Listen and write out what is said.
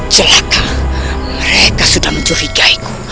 celaka mereka sudah mencuri gaiku